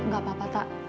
gak apa apa tak